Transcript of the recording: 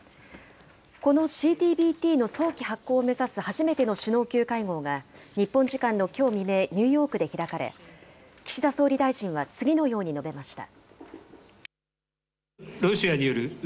このＣＴＢＴの早期発効を目指す初めての首脳級会合が、日本時間のきょう未明、ニューヨークで開かれ、岸田総理大臣は次のように述べました。